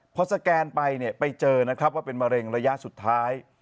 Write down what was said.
พอสแกนไปเนี่ยไปเจอนะครับว่าเป็นมะเร็งระยะสุดท้าย